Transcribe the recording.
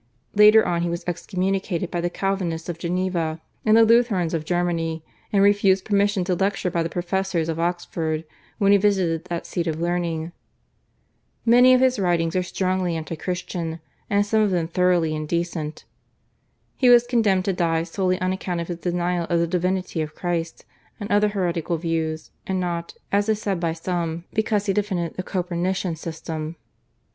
Later on he was excommunicated by the Calvinists of Geneva and the Lutherans of Germany, and refused permission to lecture by the professors of Oxford when he visited that seat of learning. Many of his writings are strongly anti Christian, and some of them thoroughly indecent. He was condemned to die solely on account of his denial of the Divinity of Christ and other heretical views and not, as is said by some, because he defended the Copernican system.